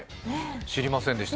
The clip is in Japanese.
知りませんでした。